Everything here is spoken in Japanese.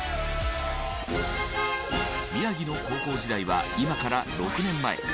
宮城の高校時代は今から６年前。